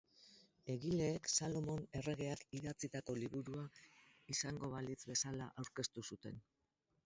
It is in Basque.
Egileek Salomon erregeak idatzitako liburua izango balitz bezala aurkeztu zuten.